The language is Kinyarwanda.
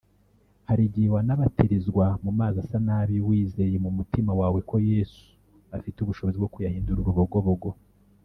Hari igihe wanabatirizwa mu mazi asa nabi wizeye mu mutima wawe ko Yesu afite ubushobozi bwo kuyahindura urubogobogo